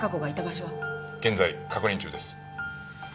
現在確認中です。